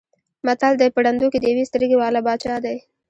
متل دی: په ړندو کې د یوې سترګې واله باچا دی.